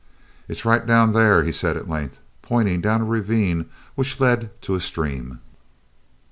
"It is right down thar," he at length said, pointing down a ravine which led to a stream.